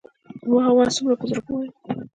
واه واه څومره په زړه پوري.